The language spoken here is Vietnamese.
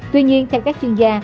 tuy nhiên theo các chuyên gia